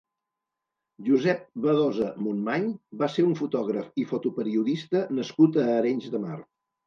Josep Badosa Montmany va ser un fotògraf i fotoperiodista nascut a Arenys de Mar.